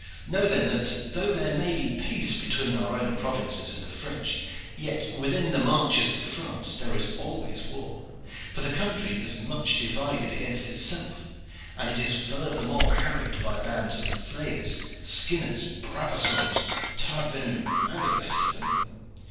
Know then that though there may be peace between our own provinces and the French, yet within the marches of France there is always war, for the country is much divided against itself, and is furthermore harried by bands of flayers, skinners, Brabacons, tardvenus, and the rest of them.